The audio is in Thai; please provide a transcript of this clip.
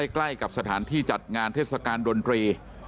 ใกล้กับสถานที่จัดงานเทศกาลดนตรี